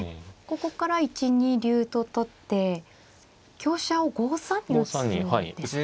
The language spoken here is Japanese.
ここから１二竜と取って香車を５三に打つんですね。